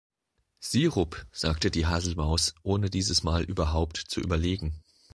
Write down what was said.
„Sirup“, sagte die Haselmaus, ohne dieses Mal überhaupt zu überlegen.